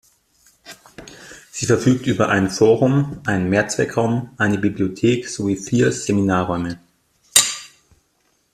Sie verfügt über ein Forum, einen Mehrzweckraum, eine Bibliothek sowie vier Seminarräume.